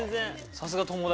さすが友達。